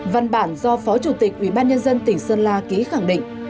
văn bản do phó chủ tịch ủy ban nhân dân tỉnh sơn la ký khẳng định